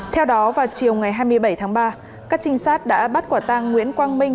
theo đó vào chiều ngày hai mươi bảy tháng ba các trinh sát đã bắt quả tang nguyễn quang minh